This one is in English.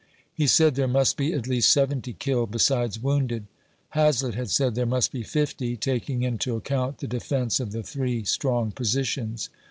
He said there must be at least seventy killed, besides wounded. Hazlett had said there must be fifty, taking into account the defence of the three strong positions.